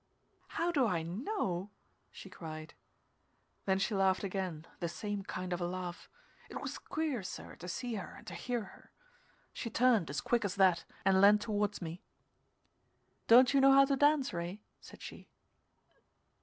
"How do I know?" she cried. Then she laughed again, the same kind of a laugh. It was queer, sir, to see her, and to hear her. She turned, as quick as that, and leaned toward me. "Don't you know how to dance, Ray?" said she.